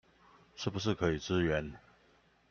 是不是可以支援